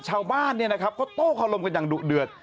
ชาวบ้านเขาโต้คารมกันอย่างดุเดือด